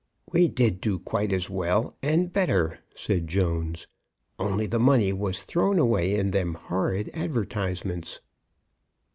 "We did do quite as well, and better," said Jones, "only the money was thrown away in them horrid advertisements."